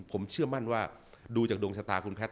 ผมเชื่อมั่นว่าดูจากดวงชะตาคุณแพทย